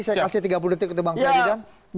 saya kasih tiga puluh detik ke teman teman